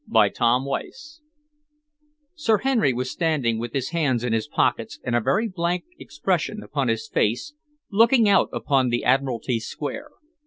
CHAPTER XVIII Sir Henry was standing with his hands in his pockets and a very blank expression upon his face, looking out upon the Admiralty Square.